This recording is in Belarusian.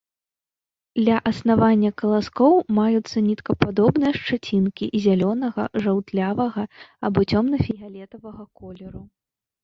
Ля аснавання каласкоў маюцца ніткападобныя шчацінкі зялёнага, жаўтлявага або цёмна-фіялетавага колеру.